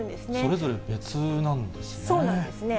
それぞれ別なんですね。